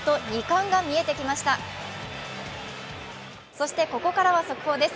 そしてここからは速報です。